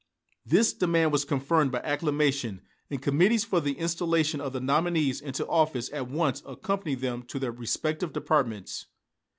This demand was confirmed by acclamation, and committees for the installation of the nominees into office at once accompanied them to their respective departments.